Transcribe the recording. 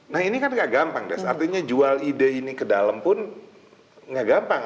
nah ini kan gak gampang des artinya jual ide ini ke dalam pun nggak gampang